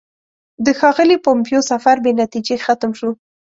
د ښاغلي پومپیو سفر بې نتیجې ختم شو.